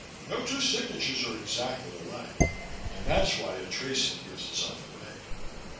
No two signatures are exactly alike and that's why a tracing gives itself away.